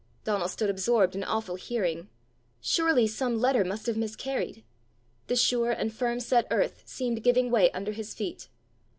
Donal stood absorbed in awful hearing. Surely some letter must have miscarried! The sure and firm set earth seemed giving way under his feet.